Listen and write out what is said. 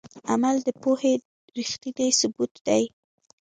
عمل د پوهې ریښتینی ثبوت دی.